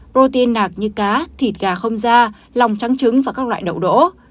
protein nạc như cá thịt gà không da lòng trắng trứng và các loại đậu đỗ